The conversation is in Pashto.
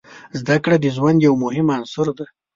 زده کړه د ژوند یو مهم عنصر دی.